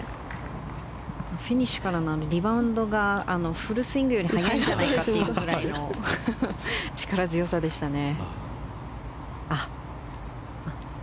フィニッシュからのリバウンドがフルスイングより速いんじゃないかという力強さでしたね。